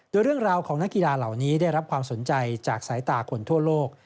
โดยเรื่องราวของนักกีฬาเหล่านี้ได้รับความสนใจจากสายตาคนทั่วโลก